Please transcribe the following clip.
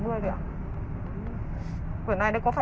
quyển này có phải in lại không